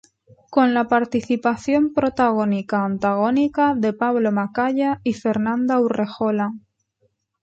Con la participación protagónica antagónica de Pablo Macaya y Fernanda Urrejola.